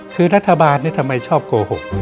คือรัฐบาลทำไมชอบโกหก